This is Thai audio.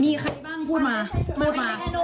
มีใครบ้างพูดมาพูดมา